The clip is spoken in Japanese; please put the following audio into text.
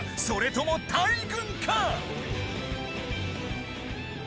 それとも大群か？